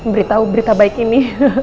beritahu berita baik ini